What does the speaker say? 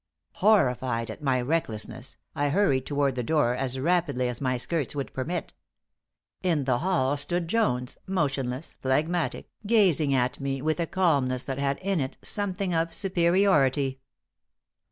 Horrified at my recklessness, I hurried toward the door as rapidly as my skirts would permit. In the hall stood Jones, motionless, phlegmatic, gazing at me with a calmness that had in it something of superiority.